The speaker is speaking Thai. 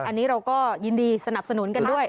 อันนี้เราก็ยินดีสนับสนุนกันด้วย